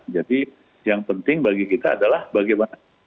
jadi yang penting bagi kita adalah bagaimana